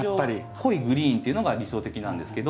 濃いグリーンっていうのが理想的なんですけど。